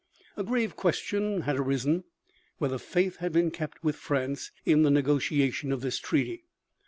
A grave question had arisen whether faith had been kept with France in the negotiation of this treaty.